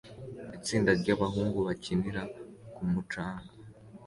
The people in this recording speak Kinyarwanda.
Itsinda ryabahungu bakinira ku mucanga